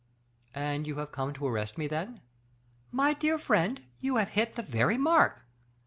"And you have come to arrest me, then?" "My dear friend, you have hit the very mark."